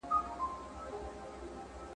هره ګیله دي منم ګرانه پر ما ښه لګیږي ,